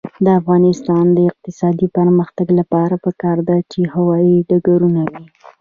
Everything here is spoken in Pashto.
د افغانستان د اقتصادي پرمختګ لپاره پکار ده چې هوايي ډګرونه وي.